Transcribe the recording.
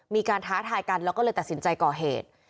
ท้าทายกันแล้วก็เลยตัดสินใจก่อเหตุ